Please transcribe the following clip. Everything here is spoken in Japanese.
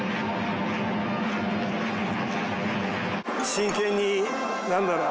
真剣になんだろう？